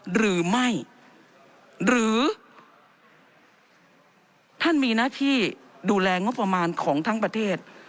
หรือไม่หรือท่านมีหน้าที่ดูแลงบประมาณของทั้งประเทศ